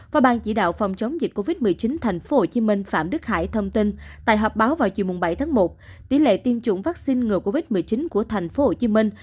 và ban chỉ đạo phòng chống dịch covid một mươi chín thành phố hồ chí minh phạm đức hải thông tin tại họp báo vào chiều bảy tháng một tỷ lệ tiêm chủng vaccine ngừa covid một mươi chín của thành phố hồ chí minh